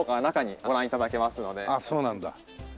あっそうなんだ。